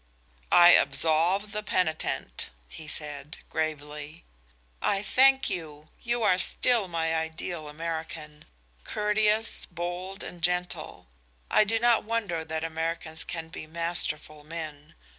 "I absolve the penitent," he said, gravely. "I thank you. You are still my ideal American courteous, bold and gentle. I do not wonder that Americans can be masterful men.